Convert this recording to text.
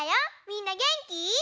みんなげんき？